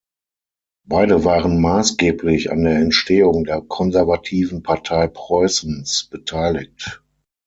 Beide waren maßgeblich an der Entstehung der konservativen Partei Preußens beteiligt.